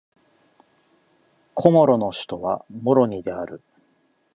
コモロの首都はモロニである